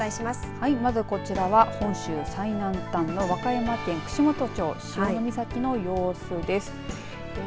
はい、まずこちらは本州最南端の和歌山県串本町の潮岬の様子です。